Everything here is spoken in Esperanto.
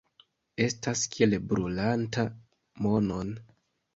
Estas kiel brulanta monon.